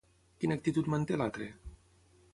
Quina actitud manté l'altre?